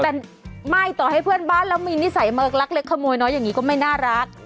แต่ไม่ต่อให้เพื่อนบ้านแล้วมีนิสัยมากรักเล็กขโมยน้อยอย่างนี้ก็ไม่น่ารัก